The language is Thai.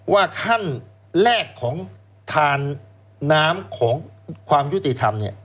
ว่าขั้นแรกของทาน้ำของความจิตธรรมเนี่ย